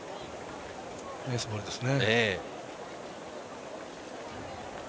ナイスボールです。